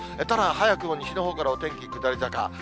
ただ、早くも西のほうからお天気下り坂。